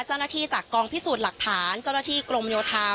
เจ้าหน้าที่จากกองพิสูจน์หลักฐานเจ้าหน้าที่กรมโยธา